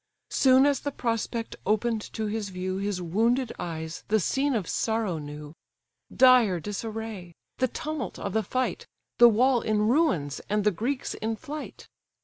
Soon as the prospect open'd to his view, His wounded eyes the scene of sorrow knew; Dire disarray! the tumult of the fight, The wall in ruins, and the Greeks in flight.